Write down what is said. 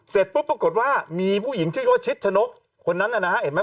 เสร็จปุ๊บปรากฏว่ามีผู้หญิงชื่อว่าชิดชะนกคนนั้นนะฮะเห็นไหม